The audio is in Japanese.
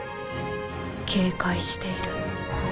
警戒している。